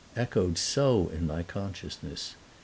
echoed so in my consciousness.